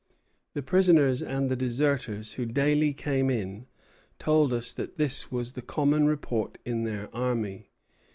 The prisoners and the deserters who daily came in told us that this was the common report in their army."